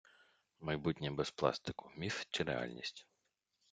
Майбутнє без пластику — міф чи реальність?